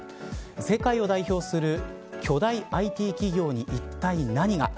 世界を代表する巨大ＩＴ企業にいったい何が。